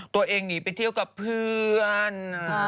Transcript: ตัวเองหนีไปเที่ยวกับเพื่อน